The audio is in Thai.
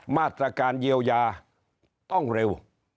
มาตรการเยียวยาต้องเร็ว